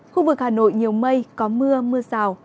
khu vực hà nội nhiều mây có mưa mưa rào